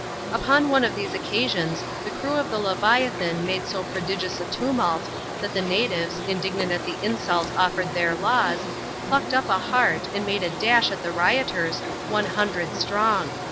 Upon one of these occasions, the crew of the Leviathan made so prodigious a tumult, that the natives, indignant at the insult offered their laws, plucked up a heart, and made a dash at the rioters, one hundred strong.